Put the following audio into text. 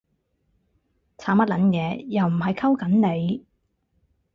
慘乜撚嘢？，又唔係溝緊你